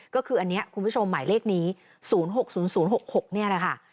ก็คืออันนี้คุณผู้ชมหมายเลขนี้๐๖๐๐๖๖นี่แหละค่ะ